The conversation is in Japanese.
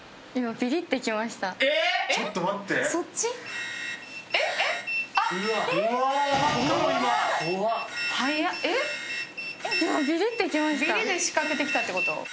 ビリッで仕掛けてきたって事？